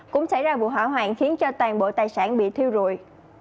cũng xảy ra vụ hỏa hoạn khiến cho toàn bộ tài sản bị thiêu rụi